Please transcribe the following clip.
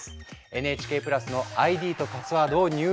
ＮＨＫプラスのＩＤとパスワードを入力